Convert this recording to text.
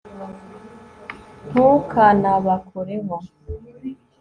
ntukanabakoreho